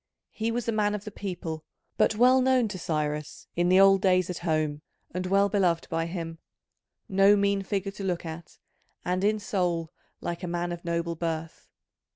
He was a man of the people, but well known to Cyrus in the old days at home and well beloved by him: no mean figure to look at, and in soul like a man of noble birth.